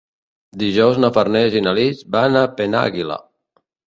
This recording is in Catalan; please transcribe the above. Dijous na Farners i na Lis van a Penàguila.